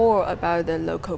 lebih tahu tentang karya lokal